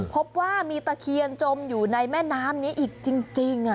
พบว่ามีตะเคียนจมอยู่ในแม่น้ำนี้อีกจริง